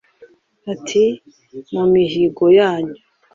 Ati “Mu mihigo yanyu